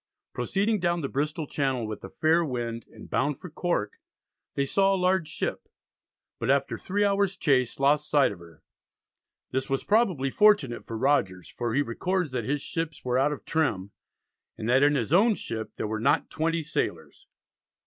Proceeding down the Bristol Channel with a fair wind and bound for Cork, they saw a large ship, but after three hours' chase lost sight of her. This was probably fortunate for Rogers, for he records that his ships were "out of trim," and that in his own ship there were "not twenty sailors."